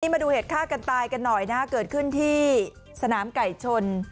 มาดูเหตุฆ่ากันตายกันหน่อยนะฮะเกิดขึ้นที่สนามไก่ชน